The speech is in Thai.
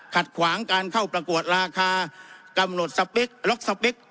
ขวางการเข้าประกวดราคากำหนดสเปคล็อกสเปค